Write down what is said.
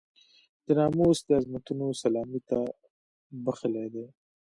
د ناموس د عظمتونو سلامي ته بخښلی دی.